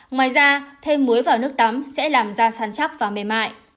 ngoài ra thêm muối vào nước tắm sẽ làm ra sán chắc và mềm mại